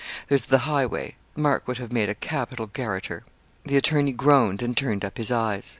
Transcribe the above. There's the highway Mark would have made a capital garrotter.' The attorney groaned, and turned up his eyes.